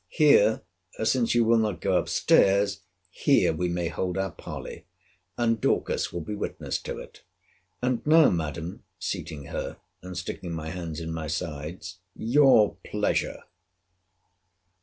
Here, since you will not go up stairs, here we may hold our parley; and Dorcas will be witness to it. And now, Madam, seating her, and sticking my hands in my sides, your pleasure!